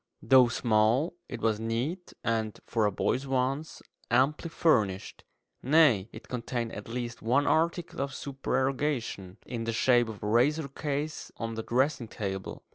Though small, it was neat, and, for a boy's wants, amply furnished; nay, it contained at least one article of supererogation, in the shape of a razor case on the dressing table.